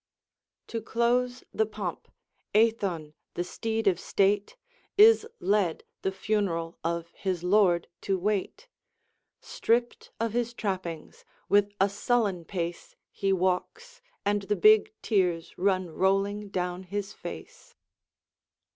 "To close the pomp, Æthon, the steed of state. Is led, the fun'ral of his lord to wait. Stripped of his trappings, with a sullen pace He walks, and the big tears run rolling down his face."